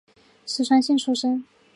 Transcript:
石川县出身。